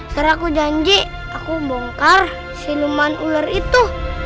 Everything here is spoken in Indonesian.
setelah aku janji aku bongkar siluman ular itu